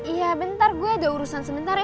iya bentar gue ada urusan sebentar ya